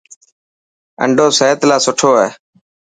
آنڊو سحت لاءِ سٺو هي.